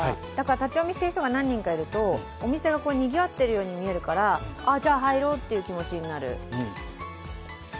立ち読みしている人が何人かいると、お店がにぎわっているように見えるからじゃあ入ろうという気持ちになる。